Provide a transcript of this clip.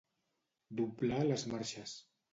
Doblar les marxes.